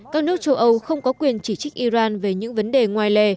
các nước châu âu không có quyền chỉ trích iran về những vấn đề ngoài lề